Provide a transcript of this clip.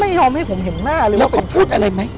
ไม่ยอมให้ผมเห็นหน้าเลยแล้วผมพูดอะไรไหม